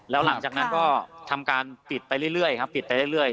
แล้วหลังจากนั้นก็ทำการปิดไปเรื่อยครับปิดไปเรื่อย